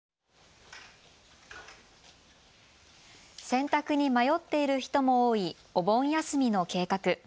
選択に迷っている人も多いお盆休みの計画。